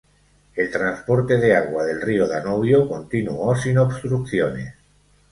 El transporte de agua del río Danubio continúo sin obstrucciones.